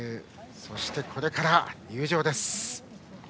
そして、これから入場です。